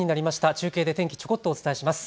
中継で天気、ちょこっとお伝えします。